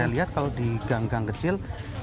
saya lihat kalau di gang gang kecil